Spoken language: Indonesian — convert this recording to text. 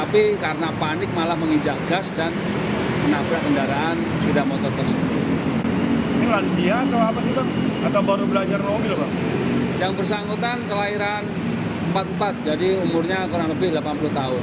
pengemudi diduga salah injak pedal gas saat hendak mengerem